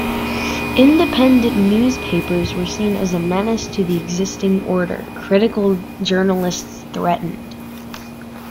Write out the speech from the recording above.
Independent newspapers were seen as a menace to the existing order, critical journalists threatened.